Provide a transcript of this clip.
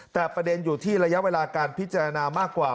แต่ประเด็นอยู่ที่ระยะเวลาการพิจารณามากกว่า